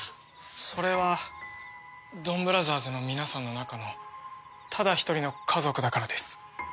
それはドンブラザーズの皆さんの中のただ一人の家族だからです。